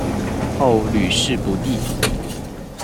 后屡试不第。